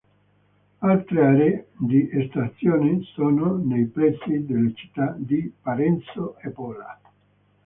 Altre aree di estrazione sono nei pressi delle città di Parenzo e Pola.